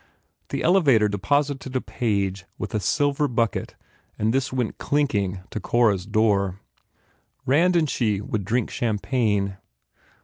The elevator deposited a page with a silver bucket and this went clinking to Cora s door. Rand and she would drink champagne.